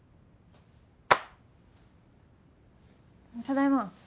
ただいま。